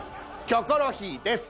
『キョコロヒー』です。